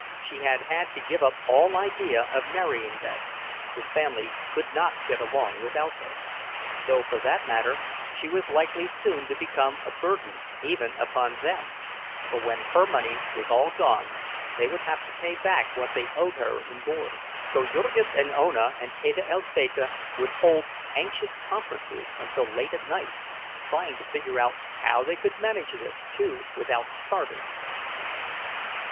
She had had to give up all idea of marrying then; the family could not get along without her—though for that matter she was likely soon to become a burden even upon them, for when her money was all gone, they would have to pay back what they owed her in board. So Jurgis and Ona and Teta Elzbieta would hold anxious conferences until late at night, trying to figure how they could manage this too without starving.